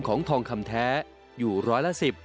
ทองคำแท้อยู่ร้อยละ๑๐